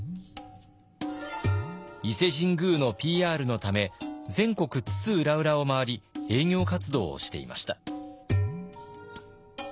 伊勢神宮のＰＲのため全国津々浦々を回り営業活動をしていました。